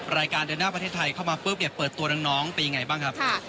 รายการเดินหน้าประเทศไทยเข้ามาปุ๊บเนี่ยเปิดตัวน้องเป็นยังไงบ้างครับ